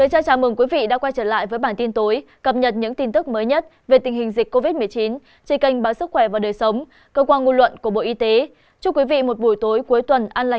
hãy đăng ký kênh để ủng hộ kênh của chúng mình nhé